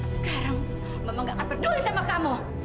sekarang mama gak akan peduli sama kamu